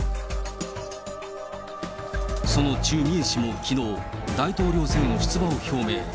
そのチュ・ミエ氏もきのう、大統領選への出馬を表明。